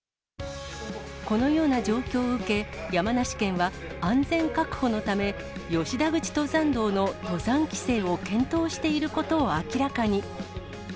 このような状況を受け、山梨県は、安全確保のため、吉田口登山道の登山規制を検討していることを明らかに。